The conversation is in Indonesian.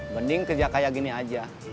mending kerja kayak gini aja